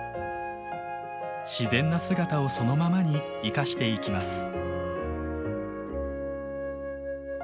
自然な姿をそのままに生かしていきます。